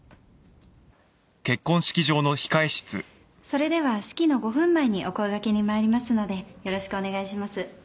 それでは式の５分前にお声掛けに参りますのでよろしくお願いします。